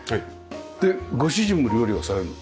でご主人も料理をされる？